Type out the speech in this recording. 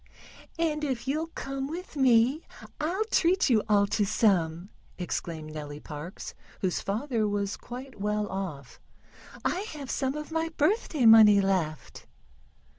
"And if you'll come with me I'll treat you all to some," exclaimed Nellie Parks, whose father was quite well off. "I have some of my birthday money left."